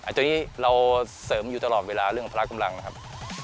อันนี้เราเสริมอยู่ตลอดเวลาเรื่องพละกำลังนะครับ